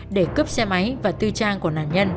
để cướp xe máy và tư trang của nạn nhân